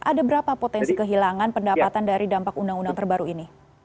ada berapa potensi kehilangan pendapatan dari dampak undang undang terbaru ini